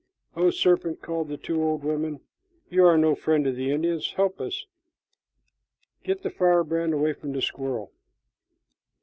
"Oh, serpent," called the two old women, "you are no friend to the Indians. Help us. Get the firebrand away from the squirrel."